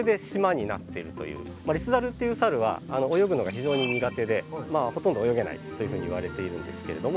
リスザルっていうサルは泳ぐのが非常に苦手でほとんど泳げないというふうにいわれているんですけれども。